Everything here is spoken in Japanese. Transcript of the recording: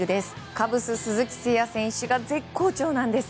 カブス、鈴木誠也選手が絶好調なんです。